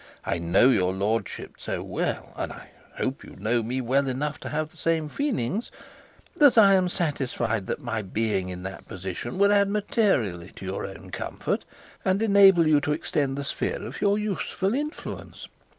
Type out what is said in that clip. I know your lordship so well (and I hope you know me well enough to have the same feelings), that I am satisfied that my being in that position would add materially to your own comfort, and enable you to extend the sphere of your useful influence.